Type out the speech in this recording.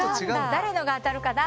誰のが当たるかな？